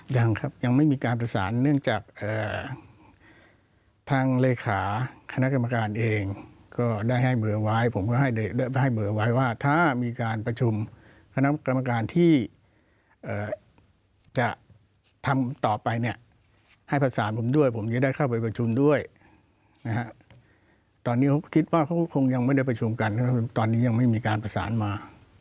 ยังครับยังไม่มีการประสานเนื่องจากทางเลขาคณะกรรมการเองก็ได้ให้เบอร์ไว้ผมก็ให้ได้เบอร์ไว้ว่าถ้ามีการประชุมคณะกรรมการที่จะทำต่อไปเนี่ยให้ประสานผมด้วยผมจะได้เข้าไปประชุมด้วยนะฮะตอนนี้เขาคิดว่าเขาก็คงยังไม่ได้ประชุมกันตอนนี้ยังไม่มีการประสานมา